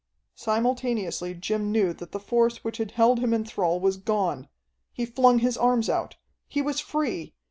Simultaneously Jim knew that the force which had held him in thrall was gone. He flung his arms out. He was free.